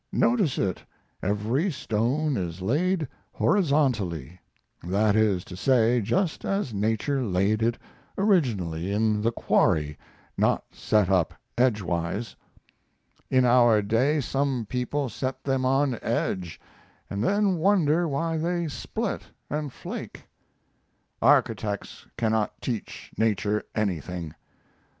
Notice it every stone is laid horizontally; that is to say, just as nature laid it originally in the quarry not set up edgewise; in our day some people set them on edge, and then wonder why they split and flake. Architects cannot teach nature anything.